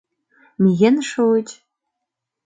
Миен шуыч.